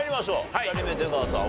２人目出川さん